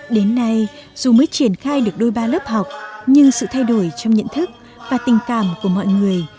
đến nay dù mới triển khai được đôi ba lớp học nhưng sự thay đổi trong nhận thức và tình cảm của mọi người